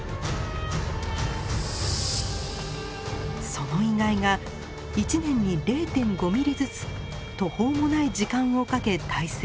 その遺骸が１年に０．５ｍｍずつ途方もない時間をかけ堆積。